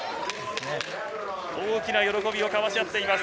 大きな喜びを交わし合っています。